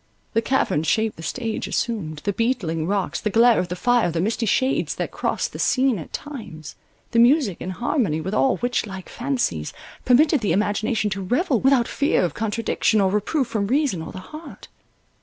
The cavern shape the stage assumed, the beetling rocks, the glare of the fire, the misty shades that crossed the scene at times, the music in harmony with all witch like fancies, permitted the imagination to revel, without fear of contradiction, or reproof from reason or the heart.